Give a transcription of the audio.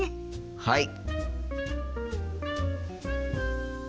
はい！